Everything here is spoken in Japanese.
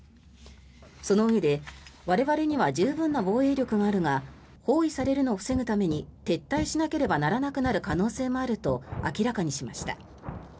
そのうえで我々には十分な防衛力があるが包囲されるのを防ぐために撤退しなければならなくなる可能性もあると明らかにしました。